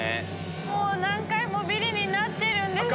もう何回もビリになってるんです。